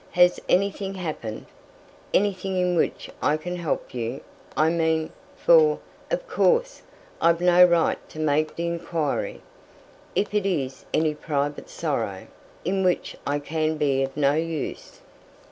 Has anything happened? anything in which I can help you, I mean; for, of course, I've no right to make the inquiry, if it is any private sorrow, in which I can be of no use."